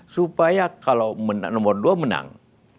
supaya kalau nomor dua menang